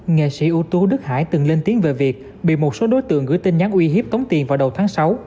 nghệ sĩ ưu tú đức hải từng lên tiếng về việc bị một số đối tượng gửi tin nhắn uy hiếp tống tiền vào đầu tháng sáu